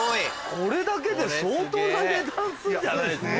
これだけで相当な値段すんじゃない？